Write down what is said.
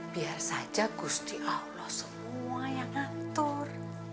biar saja gusti allah semua yang ngantor